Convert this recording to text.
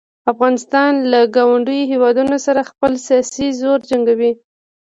افغانستان له ګاونډیو هیوادونو سره خپل سیاسي زور جنګوي.